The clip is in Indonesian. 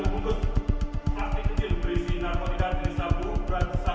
plastik kecil berisi narkotika jenis satu berat satu ratus dua gram